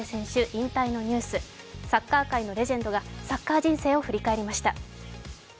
引退のニュース、サッカー界のレジェンドがサッカー人生を振り返りました。